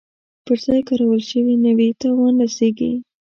پر ځای کارول شوي نه وي تاوان رسیږي.